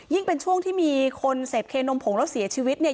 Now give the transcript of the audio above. เป็นช่วงที่มีคนเสพเคนมผงแล้วเสียชีวิตเนี่ย